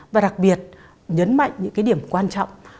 và đặc biệt nhấn mạnh những cái điểm quan trọng